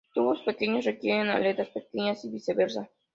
Tubos pequeños requieren aletas pequeñas y viceversa.